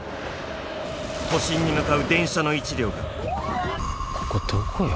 都心に向かう電車の一両がここどこよ？